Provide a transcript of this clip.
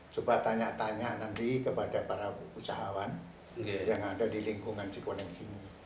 coba tanya tanya nanti kepada para usahawan yang ada di lingkungan cikoneng sini